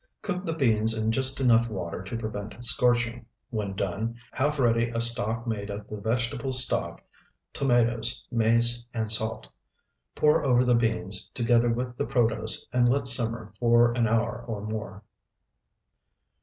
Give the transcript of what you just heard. Cook the beans in just enough water to prevent scorching. When done, have ready a stock made of the vegetable stock, tomatoes, mace, and salt. Pour over the beans, together with the protose, and let simmer for an hour or more.